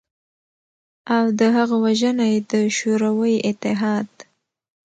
او د هغه وژنه ېې د شوروی اتحاد